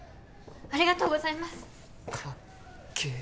ありがとうございます！かっけえ。